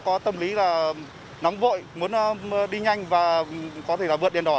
người dân có tâm lý là nóng vội muốn đi nhanh và có thể là vượt đèn đỏ